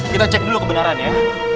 kita cek dulu kebenaran ya